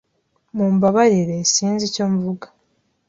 Mumbabarire, sinzi icyo mvuga.